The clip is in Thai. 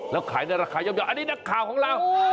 แล้วขายในราคาย่อมอันนี้นักข่าวของเรา